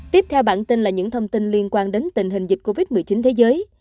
tiếp theo bản tin là những thông tin liên quan đến tình hình dịch covid một mươi chín thế giới